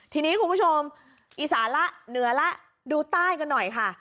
ทีนี้คุณผู้ชมอีสานละเหนือละดูใต้กันหน่อยค่ะ